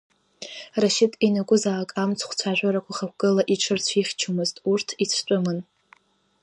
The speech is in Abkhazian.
Рашьыҭ ианакәызаалак амцхә цәажәарақәа хықәкыла иҽырцәихьчомызт, урҭ ицәтәымын.